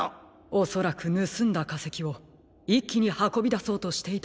おそらくぬすんだかせきをいっきにはこびだそうとしていたのでしょう。